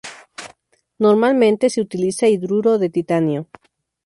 Normalmente se utiliza hidruro de titanio.